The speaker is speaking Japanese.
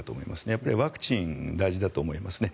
やっぱりワクチンは大事だと思いますね。